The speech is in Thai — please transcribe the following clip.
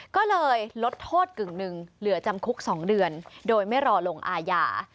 ก็เลยลดโทษกึ่งหนึ่งเหลือจำคุก๒เดือนโดยไม่รอลงอาญา